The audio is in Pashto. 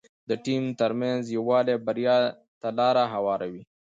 د ټيم ترمنځ یووالی بریا ته لاره هواروي.